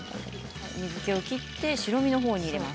水けを切って白身のほうに入れます。